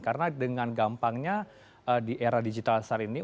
karena dengan gampangnya di era digital saat ini